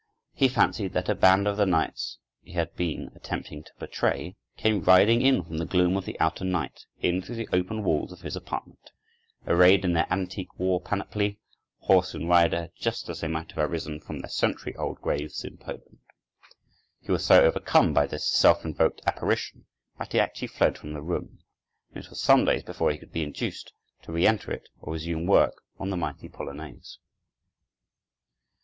He fancied that a band of the knights he had been attempting to portray, came riding in from the gloom of the outer night, in through the opening walls of his apartment, arrayed in their antique war panoply, horse and rider just as they might have arisen from their century old graves in Poland. He was so overcome by this self invoked apparition that he actually fled from the room, and it was some days before he could be induced to re enter it or resume work on the mighty polonaise.